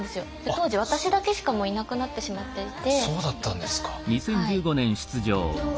当時私だけしかいなくなってしまっていて。